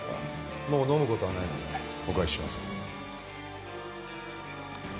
もう飲む事はないのでお返しします。